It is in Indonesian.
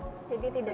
yang lainnya juga